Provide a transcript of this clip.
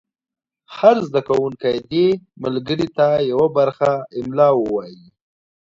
هر زده کوونکی دې ملګري ته یوه برخه املا ووایي.